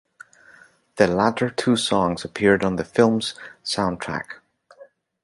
The latter two songs appeared on the film's soundtrack.